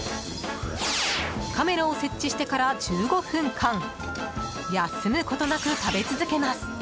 カメラを設置してから１５分間休むことなく食べ続けます。